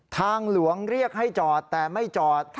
ทางหลวงเรียกให้จอดแต่ไม่จอด